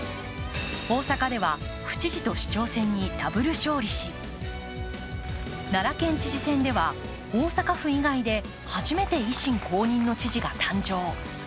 大阪では府知事と市長選にダブル勝利し奈良県知事選では大阪府以外で初めて維新公認の知事が誕生。